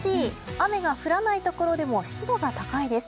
雨が降らないところでも湿度が高いです。